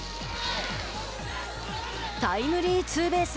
タイムリーツーベース。